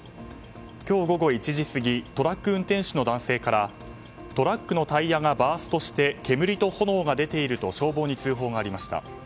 今日午後１時過ぎトラック運転手の男性からトラックのタイヤがバーストして煙と炎が出ていると消防に通報がありました。